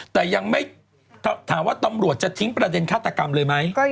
แต่ยังไม่ถามว่าตำรวจจะทิ้งประเด็นฆาตกรรมเลยไหม